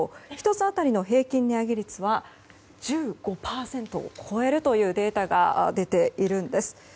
１つ当たりの平均値上げ率は１５％を超えるというデータが出ているんです。